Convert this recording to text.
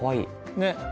ねっ。